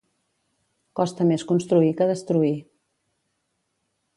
Costa més construir que destruir